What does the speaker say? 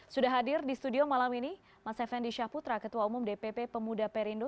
sudah hadir di studio malam ini mas effendi syaputra ketua umum dpp pemuda perindo